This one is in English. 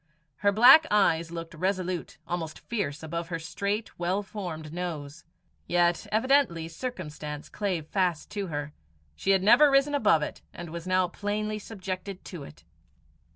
Her black eyes looked resolute, almost fierce, above her straight, well formed nose. Yet evidently circumstance clave fast to her. She had never risen above it, and was now plainly subjected to it.